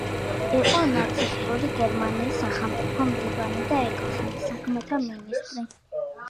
იყო ნაცისტური გერმანიის სახელმწიფო მდივანი და ეკლესიის საქმეთა მინისტრი.